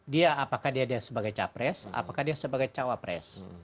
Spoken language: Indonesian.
dia apakah dia sebagai capres apakah dia sebagai cawapres